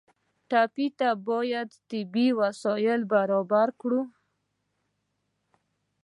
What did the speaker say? ټپي ته باید طبي وسایل برابر کړو.